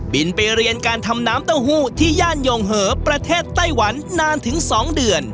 บินไปเรียนการทำน้ำเต้าหู้ที่ย่านโยงเหอประเทศไต้หวันนานถึง๒เดือน